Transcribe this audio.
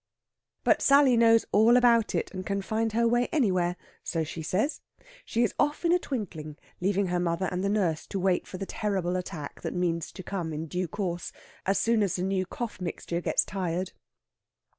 But Sally knows all about it, and can find her way anywhere so she says. She is off in a twinkling, leaving her mother and the nurse to wait for the terrible attack that means to come, in due course, as soon as the new cough mixture gets tired.